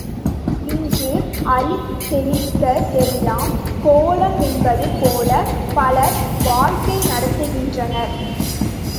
இன்று, அள்ளித் தெளித்த தெல்லாம் கோலம் என்பது போல பலர் வாழ்க்கை நடத்துகின்றனர்.